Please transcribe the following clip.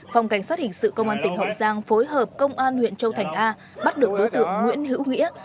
phòng cảnh sát hình sự công an tỉnh hậu giang phối hợp công an huyện châu thành a bắt được đối tượng nguyễn hữu nghĩa